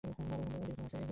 Mobile number আছে ওর?